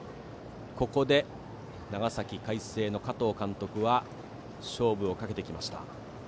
ここで長崎・海星の加藤監督は勝負をかけてきました。